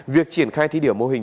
việc triển khai thí điểm mô hình